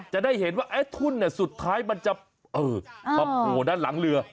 จะได้เห็นว่าทุ่นสุดท้ายมันจะมาโผล่ด้านหลังเรือ